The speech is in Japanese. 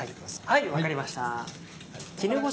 はい分かりました。